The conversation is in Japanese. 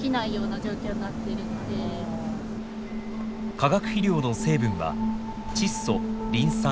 化学肥料の成分は窒素リン酸カリウム。